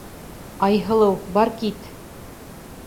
Айһылыу, бар кит!